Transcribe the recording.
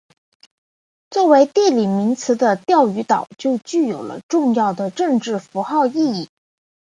作为地理名词的钓鱼台就具有了重要的政治符号意义。